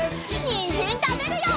にんじんたべるよ！